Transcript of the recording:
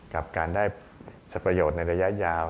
กับการได้ประโยชน์ในระยะยาว